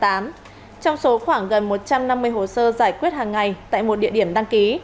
trong số khoảng gần một trăm năm mươi hồ sơ giải quyết hàng ngày tại một địa điểm đăng ký